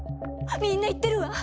みんな言ってるわ。